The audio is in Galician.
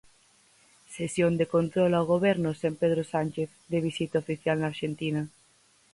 Sesión de control ao Goberno sen Pedro Sánchez, de visita oficial na Arxentina.